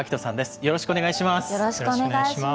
よろしくお願いします。